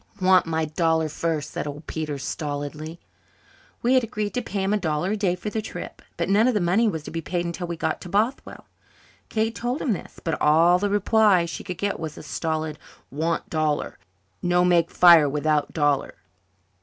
"Want my dollar first," said old Peter stolidly. We had agreed to pay him a dollar a day for the trip, but none of the money was to be paid until we got to Bothwell. Kate told him this. But all the reply she got was a stolid, "Want dollar. No make fire without dollar."